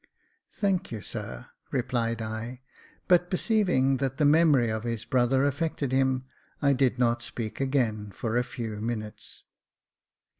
" Thank you, sir," replied I ; but perceiving that the memory of his brother affected him, I did not speak again for a few minutes.